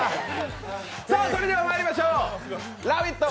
それではまいりましょう、「ラヴィット！」